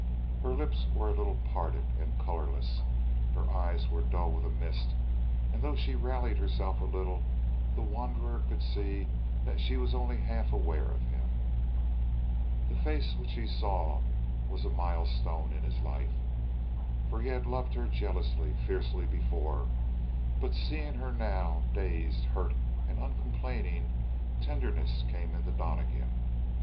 Her lips were a little parted, and colorless; her eyes were dull with a mist; and though she rallied herself a little, the wanderer could see that she was only half aware of him. The face which he saw was a milestone in his life. For he had loved her jealously, fiercely before; but seeing her now, dazed, hurt, and uncomplaining, tenderness came into Donnegan.